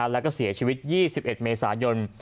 แล้วก็เสียชีวิต๒๑เมษายน